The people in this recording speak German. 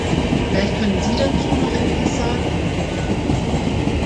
Vielleicht können Sie dazu noch etwas sagen.